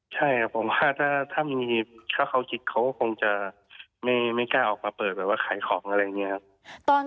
ใช่ครับผมว่าถ้ามีถ้าเขาคิดเขาก็คงจะไม่กล้าออกมาเปิดแบบว่าขายของอะไรอย่างนี้ครับ